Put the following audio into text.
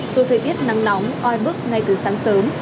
dù thời tiết nắng nóng oi bức ngay từ sáng sớm